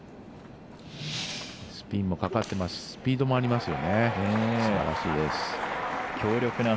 スピンもかかってるしスピードもありますよ。